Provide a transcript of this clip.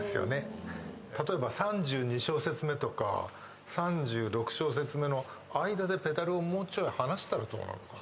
例えば３２小節目とか３６小節目の間でペダルをもうちょい離したらどうなのかな？